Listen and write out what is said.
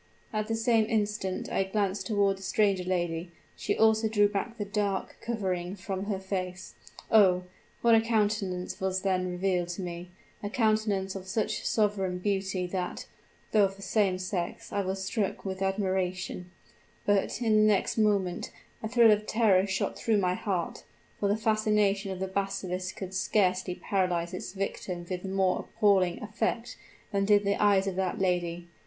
At the same instant I glanced toward the stranger lady; she also drew back the dark covering from her face. Oh! what a countenance was then revealed to me a countenance of such sovereign beauty that, though of the same sex, I was struck with admiration; but, in the next moment, a thrill of terror shot through my heart for the fascination of the basilisk could scarcely paralyze its victim with more appalling effect than did the eyes of that lady.